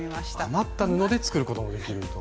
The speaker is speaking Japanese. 余った布で作ることもできると。